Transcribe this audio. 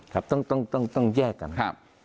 ครับต้องแยกกันครับ